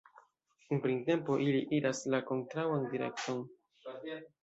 En printempo ili iras la kontraŭan direkton.